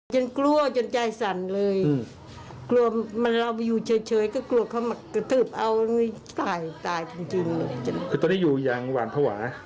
จะร่องไห้เลยเห็นมันมาทำเอาดื้อดื้อยังงี้